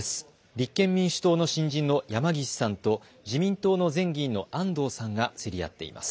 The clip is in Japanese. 立憲民主党の新人の山岸さんと自民党の前議員の安藤さんが競り合っています。